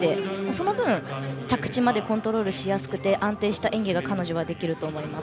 その分、着地までコントロールしやすくて安定した演技が彼女はできると思います。